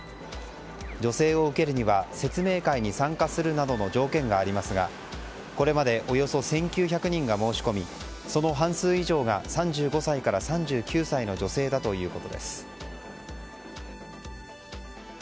助成を受けるには説明会に参加するなどの条件がありますがこれまでおよそ１９００人が申し込みその半数以上が３５歳から３９歳の女性だということです。